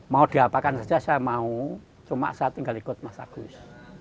mau diapakan saja saya mau cuma saya tinggal ikut mas agus